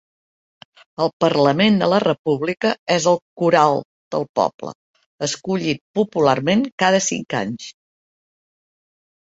El parlament de la República és el Khural del poble, escollit popularment cada cinc anys.